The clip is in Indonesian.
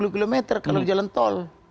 delapan puluh km kalau jalan tol